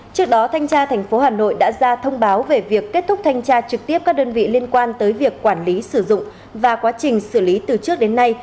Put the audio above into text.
trước đó thanh tra tp hà nội đã ra thông báo về việc kết thúc thanh tra trực tiếp các đơn vị liên quan tới việc quản lý sử dụng và quá trình xử lý từ trước đến nay